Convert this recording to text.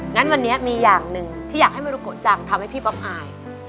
งั้นวันนี้มีอย่างหนึ่งที่อยากให้มรุโกะจังทำให้พี่ป๊อปอาย